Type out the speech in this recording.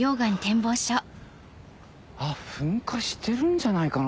噴火してるんじゃないかな？